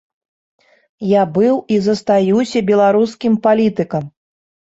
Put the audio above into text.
Я быў і застаюся беларускім палітыкам.